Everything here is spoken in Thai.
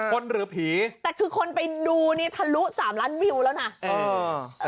หรือผีแต่คือคนไปดูนี่ทะลุ๓ล้านวิวแล้วนะเออ